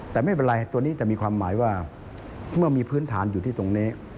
แต่ไม่เป็นไรตัวนี้จะมีความหมายว่าเมื่อมีพื้นฐานอยู่ที่ตรงนี้